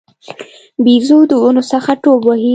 بیزو د ونو څخه ټوپ وهي.